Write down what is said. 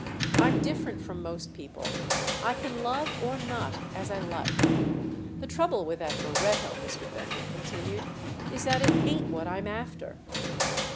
I'm different from most people—I can love or not as I like. The trouble with that Moretto," Mr. Bender continued, "is that it ain't what I'm after."